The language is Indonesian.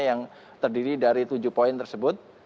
yang terdiri dari tujuh poin tersebut